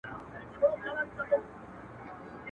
په مطبوعاتو کي رپوټونه !.